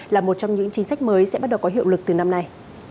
là một trong những chính sách mới sẽ bắt đầu có hiệu lực từ năm nay